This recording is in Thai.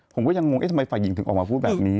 ผมก็ยังงงทำไมฝ่ายหญิงถึงออกมาพูดแบบนี้